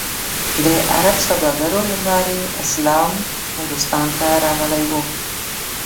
د عرب سوداګرو له لارې اسلام هندوستان ته راغلی و.